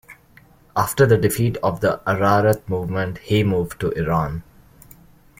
After the defeat of the Ararat movement, he moved to Iran.